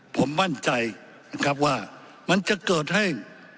ผมมั่นใจนะครับว่ามันจะเกิดให้